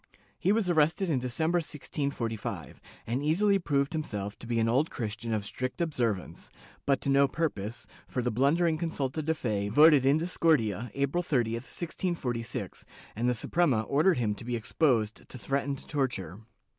He was arrested in December, 1645, and easily proved himself to be an Old Christian of strict observance, but to no purpose, for the blundering consulta de fe voted in discordia, April 30, 1646, and the Suprema ordered him to be exposed to threatened torture.